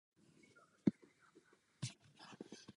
Z francouzštiny přeložil několik knih do portugalštiny.